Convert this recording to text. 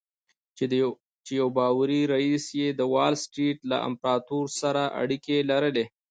چې يو باوري رييس يې د وال سټريټ له امپراتور سره اړيکې لري.